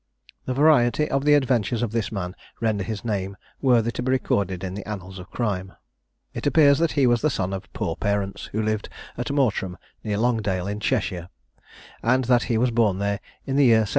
The variety of the adventures of this man render his name worthy to be recorded in the annals of crime. It appears that he was the son of poor parents, who lived at Mortram, near Longdale, in Cheshire, and that he was born there, in the year 1759.